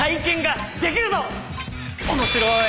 面白い。